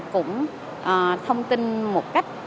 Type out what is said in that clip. cũng thông tin một cách